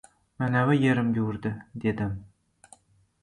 — Manavi yerimga urdi... — dedim.